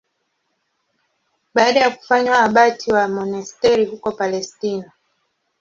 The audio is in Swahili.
Baada ya kufanywa abati wa monasteri huko Palestina.